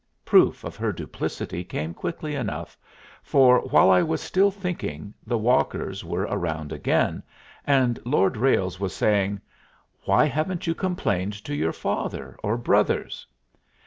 Proof of her duplicity came quickly enough, for, while I was still thinking, the walkers were round again, and Lord Ralles was saying, "Why haven't you complained to your father or brothers?"